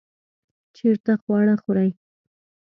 چیرته خواړه خورئ؟